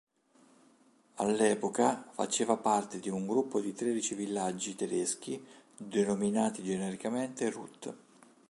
All'epoca, faceva parte di un gruppo di tredici villaggi tedeschi denominati genericamente "Rut".